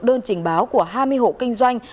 đơn trình báo của hai mươi hộ kinh doanh